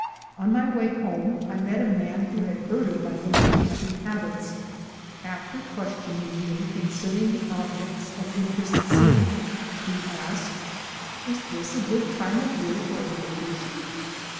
On my way home I met a man who had heard of my winter camping habits. After questioning me concerning the ob jects of interest seen, he asked: "Is this a good time of year for a vacation